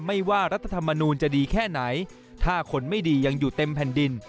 ว่ารัฐธรรมนูลจะดีแค่ไหนถ้าคนไม่ดียังอยู่เต็มแผ่นดิน